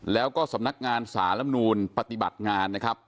แล้วก็สำนักงานสารำนูนปฏิบัติงานนะครับ